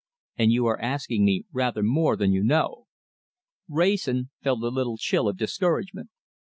And you are asking me rather more than you know." Wrayson felt a little chill of discouragement.